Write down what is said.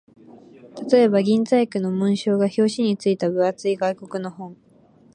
例えば、銀細工の紋章が表紙に付いた分厚い外国の本